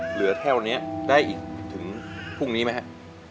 เหลือเท่านี้ได้อีกถึงพรุ่งนี้ไหมครับ